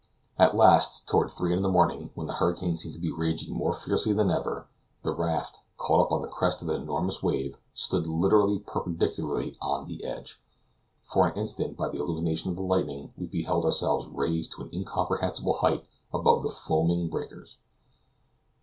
At last, toward three in the morning, when the hurricane seemed to be raging more fiercely than ever, the raft, caught up on the crest of an enormous wave, stood literally perpendicularly on its edge. For an instant, by the illumination of the lightning, we beheld ourselves raised to an incomprehensible height above the foaming breakers.